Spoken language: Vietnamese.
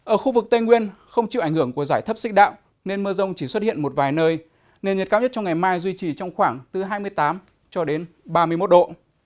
ở khu vực tây nguyên không chịu ảnh hưởng của giải thấp xích đạo nên mưa rông chỉ xuất hiện một vài nơi nền nhiệt cao nhất trong ngày mai duy trì trong khoảng từ hai mươi tám cho đến ba mươi một độ